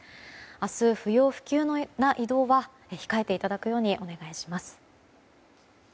明日、不要不急の移動は控えていただくようにお願いします。